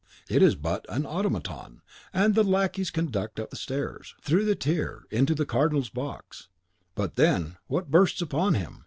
It is but an automaton that the lackeys conduct up the stairs, through the tier, into the Cardinal's box. But then, what bursts upon him!